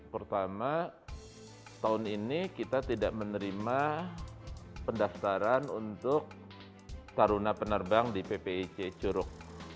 pertama tahun ini kita tidak menerima pendaftaran untuk taruna penerbang di ppic curug